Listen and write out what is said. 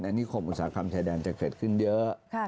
อันนี้ผมอุตสาหกคำใช้แดนต์ที่เกิดขึ้นเยอะ